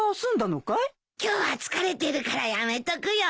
今日は疲れてるからやめとくよ。